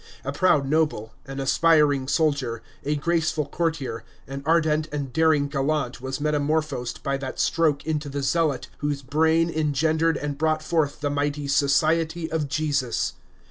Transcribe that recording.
A proud noble, an aspiring soldier, a graceful courtier, an ardent and daring gallant was metamorphosed by that stroke into the zealot whose brain engendered and brought forth the mighty Society of Jesus.